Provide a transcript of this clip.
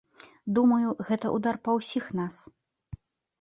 Думаю, гэта ўдар па ўсіх нас.